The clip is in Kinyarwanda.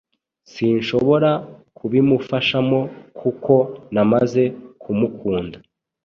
Sinshobora kubimufashamo kuko namaze kumukunda.